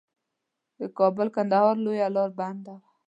د کابل کندهار لویه لار بنده وه.